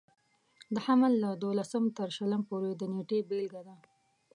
د حمل له دولسم تر شلم پورې د نېټې بېلګه ده.